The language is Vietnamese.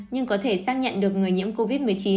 nhưng có thể xác nhận được người nhiễm covid một mươi chín